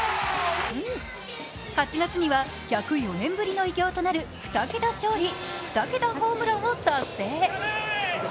８月には１０４年ぶりの偉業となる２桁勝利２桁ホームランを達成。